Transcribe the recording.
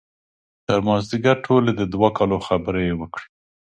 تر مازدیګر ټولې د دوه کالو خبرې یې وکړې.